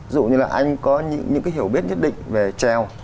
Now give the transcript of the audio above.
dù như là anh có những hiểu biết nhất định về treo